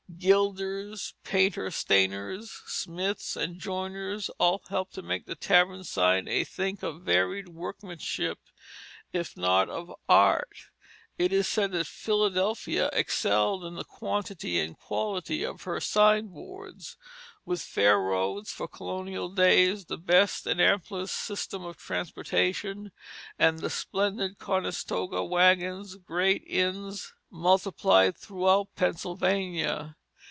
Gilders, painter stainers, smiths, and joiners all helped to make the tavern sign a thing of varied workmanship if not of art. It is said that Philadelphia excelled in the quantity and quality of her sign boards. With fair roads for colonial days, the best and amplest system of transportation, and the splendid Conestoga wagons, great inns multiplied throughout Pennsylvania.